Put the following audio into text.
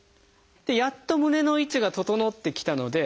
やっと胸の位置が整ってきたので。